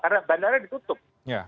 karena bandara ditutup